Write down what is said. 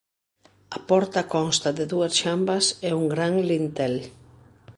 A porta consta de dúas xambas e un gran lintel.